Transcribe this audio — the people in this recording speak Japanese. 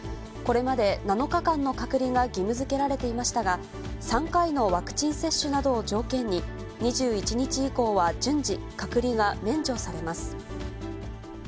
これまで７日間の隔離が義務づけられていましたが、３回のワクチン接種などを条件に、２１日以降は順次、隔離が免除されます。